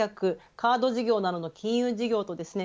カード事業などの金融事業とですね